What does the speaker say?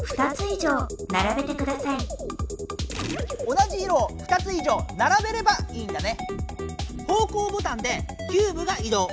同じ色を２つ以上ならべればいいんだね。